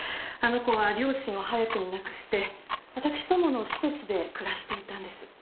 あの子は両親を早くに亡くして私どもの施設で暮らしていたんです。